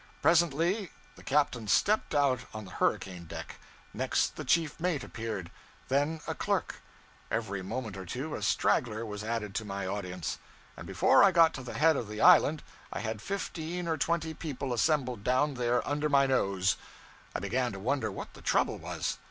Presently the captain stepped out on the hurricane deck; next the chief mate appeared; then a clerk. Every moment or two a straggler was added to my audience; and before I got to the head of the island I had fifteen or twenty people assembled down there under my nose. I began to wonder what the trouble was.